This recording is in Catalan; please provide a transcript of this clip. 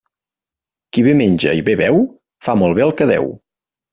Qui bé menja i bé beu, fa molt bé el que deu.